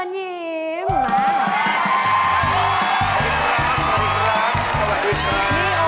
สวัสดีครับสวัสดีครับสวัสดีครับ